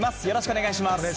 よろしくお願いします。